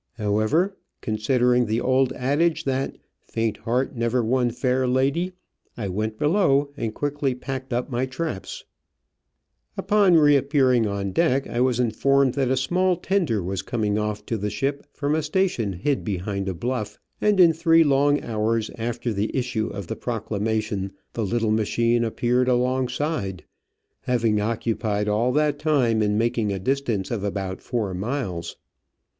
However, consider ing the old adage that faint heart never won fair lady," 1 went below and quickly packed up my traps. D* Digitized by VjOOQIC 38 Travels and Adventures Upon reappearing on deck I was informed that a small tender was coming off to the ship from a station hid behind a bluff, and in three long hours after the issue of the proclamation the little machine appeared alongside, having occupied all that time in making a distance of about four miles.